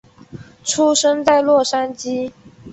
出生在洛杉矶。